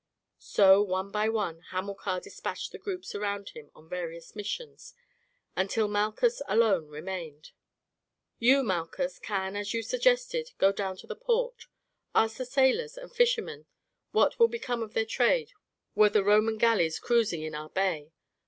So one by one Hamilcar despatched the groups round him on various missions, until Malchus alone remained. "You, Malchus, can, as you suggested, go down to the port; ask the sailors and fishermen what will become of their trade were the Roman galleys cruising in our bay.